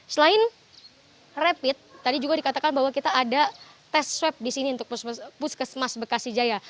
selain rapid tadi juga dikatakan bahwa kita ada tes swab di sini untuk puskesmas bekasi jaya